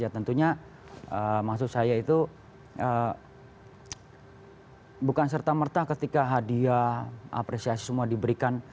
tentunya maksud saya itu bukan serta merta ketika hadiah apresiasi semua diberikan